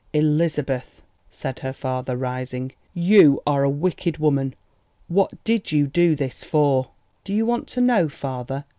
"Elizabeth," said her father, rising, "you are a wicked woman! What did you do this for?" "Do you want to know, father?"